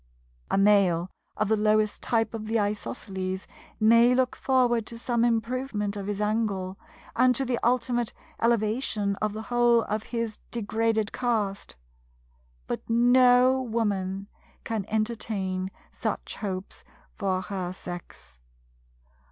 A Male of the lowest type of the Isosceles may look forward to some improvement of his angle, and to the ultimate elevation of the whole of his degraded caste; but no Woman can entertain such hopes for her sex.